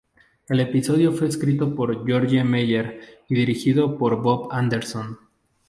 El episodio fue escrito por George Meyer y dirigido por Bob Anderson.